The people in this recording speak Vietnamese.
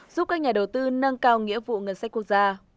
giúp các nhà đầu tư nâng cao nghĩa vụ ngân sách quốc gia